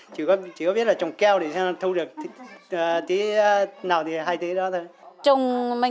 chỉ có biết là trồng keo để xem thu được tí nào thì hay tí đó thôi